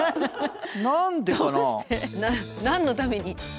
何のために？